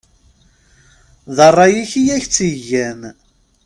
D rray-ik i ak-tt-igan!